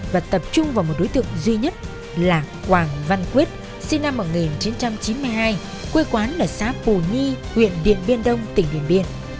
và tập trung vào một đối tượng duy nhất là quảng văn quyết sinh năm một nghìn chín trăm chín mươi hai quê quán ở xã pù nhi huyện điện biên đông tỉnh điện biên